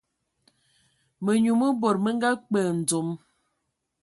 Mənyu mə bod mə nga kpe ndzom.